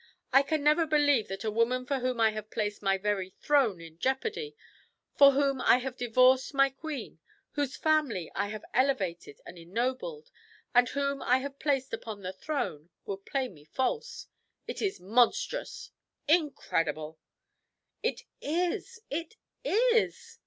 I can never believe that a woman for whom I have placed my very throne in jeopardy for whom I have divorced my queen whose family I have elevated and ennobled and whom I have placed upon the throne would play me false. It is monstrous incredible!" "It is it is!"